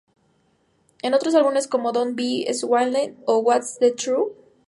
En otros álbumes como "Don't Be Swindle" o "What's The Truth?